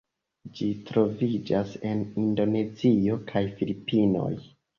Ĝi troviĝas en Indonezio kaj Filipinoj.